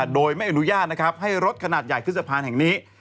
โดยไม่อนุญาตนะครับให้รถขนาดใหญ่ขึ้นสะพานแห่งนี้